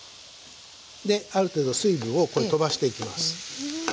である程度水分をとばしていきます。